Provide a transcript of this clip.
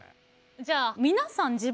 じゃあ皆さんはい。